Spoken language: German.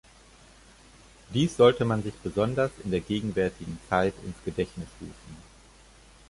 Dies sollte man sich besonders in der gegenwärtigen Zeit ins Gedächtnis rufen.